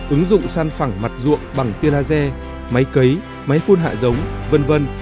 ứng dụng săn phẳng mặt ruộng bằng tiên laser máy cấy máy phun hạ giống v v